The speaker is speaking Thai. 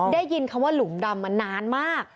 ได้ยินคำว่าหลุมดำมานานมาก